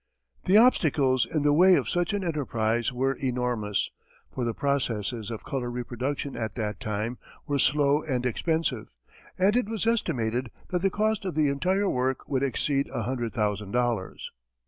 The obstacles in the way of such an enterprise were enormous, for the processes of color reproduction at that time were slow and expensive, and it was estimated that the cost of the entire work would exceed a hundred thousand dollars.